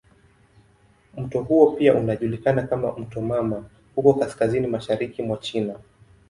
Mto huo pia unajulikana kama "mto mama" huko kaskazini mashariki mwa China.